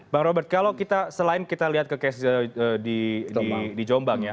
bang robert kalau kita selain kita lihat ke case di jombang ya